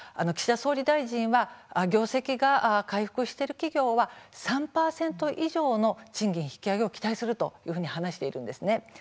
岸田総理大臣は業績が回復している企業は３％以上の賃金の引き上げを期待すると話しています。